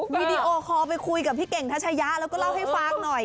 วีดีโอคอลไปคุยกับพี่เก่งทัชยะแล้วก็เล่าให้ฟังหน่อย